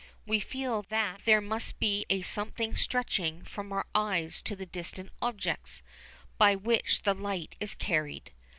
We feel that there must be a something stretching from our eyes to the distant objects, by which the light is carried.